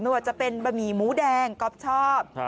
ว่าจะเป็นบะหมี่หมูแดงก๊อฟชอบ